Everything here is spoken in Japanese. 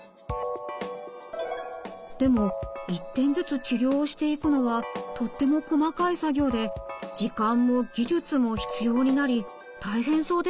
でも一点ずつ治療をしていくのはとっても細かい作業で時間も技術も必要になり大変そうですね。